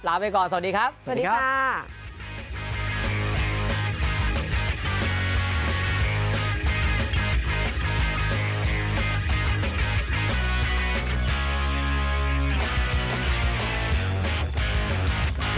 ไปก่อนสวัสดีครับสวัสดีครับ